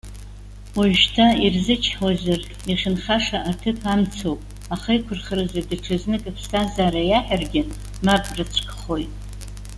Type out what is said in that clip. Уажәшьҭа ирзычҳауазар, иахьынхаша аҭыԥ амца ауп, ахеиқәырхаразы даҽазнык аԥсҭазаара иаҳәаргьы, мап рыцәкхоит.